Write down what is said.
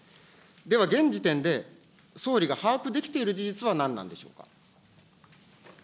では、現時点で、総理が把握できている事実は何なんでしょうか。